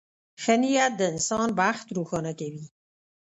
• ښه نیت د انسان بخت روښانه کوي.